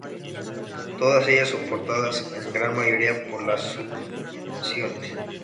Todas ellas soportadas en gran mayoría por las subvenciones.